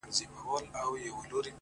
زما افغان ضمير له کاڼو جوړ گلي”